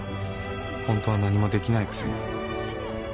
本当は何もできないくせに